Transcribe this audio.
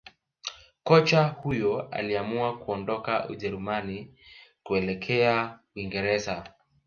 Kocha huyo aliamua kuondoka Ujerumani kuelekjea uingereza